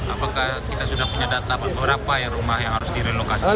apakah kita sudah punya data berapa rumah yang harus direlokasi